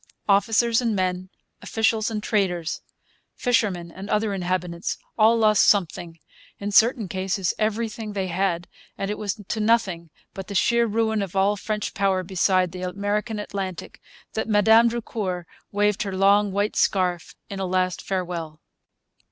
Officers and men, officials and traders, fishermen and other inhabitants, all lost something, in certain cases everything they had; and it was to nothing but the sheer ruin of all French power beside the American Atlantic that Madame Drucour waved her long white scarf in a last farewell.